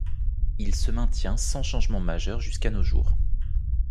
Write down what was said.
Il se maintient sans changement majeurs jusqu’à nos jours.